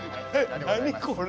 何これ。